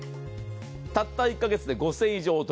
たった１カ月で５０００円以上お得。